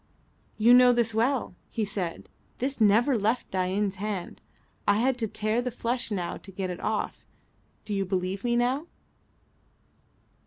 "You know this well," he said. "This never left Dain's hand. I had to tear the flesh now to get it off. Do you believe now?"